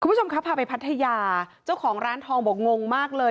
คุณผู้ชมครับพาไปพัทยาเจ้าของร้านทองบอกงงมากเลย